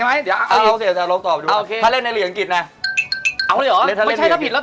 อันต่อแรกการใส่ว่าอยู่ลอนดอนแล้ว